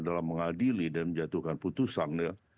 dalam mengadili dan menjatuhkan putusan ya